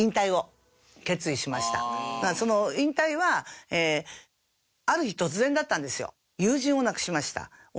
その引退はある日突然だったんですよ。